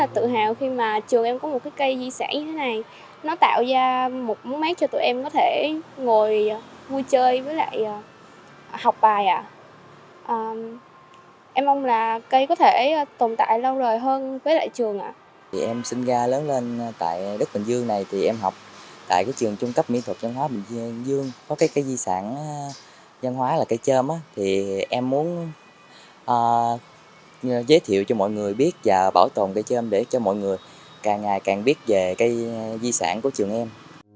trường trung cấp mỹ thuật văn hóa bình dương có cây di sản văn hóa là cây trơm em muốn giới thiệu cho mọi người biết và bảo tồn cây trơm để cho mọi người càng ngày càng biết về cây di sản của trường em